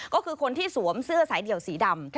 ก็คือคนที่สวมเสื้อสายเดี่ยวสีดำ